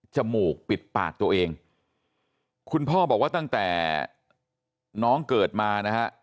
มูกปิดปากตัวเองคุณพ่อบอกว่าตั้งแต่น้องเกิดมานะฮะ